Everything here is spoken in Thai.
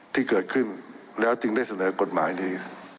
ที่เกิดขึ้นแล้วจึงได้เสนอกฎหมายนี้